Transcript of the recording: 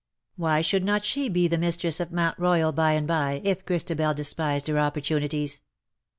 Why should not she be mistress 113 of Mount Eoyal, by and by^ if Christabel despised her opportunities